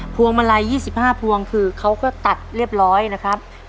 พวงมาลัย๒๕พวงคือเขาก็ตัดเรียบร้อยนะครับ